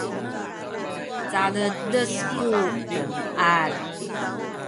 caledes ku demiad